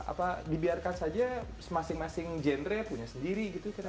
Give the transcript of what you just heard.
apa dibiarkan saja masing masing genre punya sendiri gitu